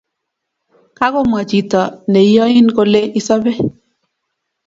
Kagomwa chito neiyoin kole isobe